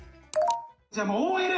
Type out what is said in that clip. じゃあもうＯＬ！